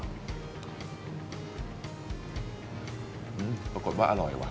อืมปรากฏว่าอร่อยว่ะ